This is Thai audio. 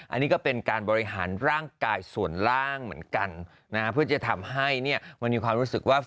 อันนี้ก็เป็นการบริหารร่างกายส่วนล่างเหมือนกันนะฮะเพื่อจะทำให้เนี่ยมันมีความรู้สึกว่า